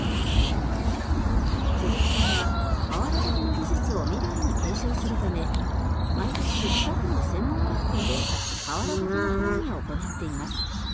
鈴木さんはかわらぶきの技術を未来に継承するため毎年北区の専門学校でかわらぶきの講義を行っています。